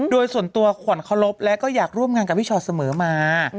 โดยส่วนตัวขวัญเคารพและก็อยากร่วมงานกับพี่ชอตเสมอมา